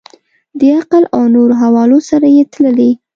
د عقل او نورو حوالو سره یې تللي.